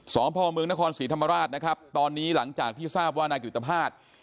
พ่อเมืองนครศรีธรรมราชนะครับตอนนี้หลังจากที่ทราบว่านายกิตภาษณ์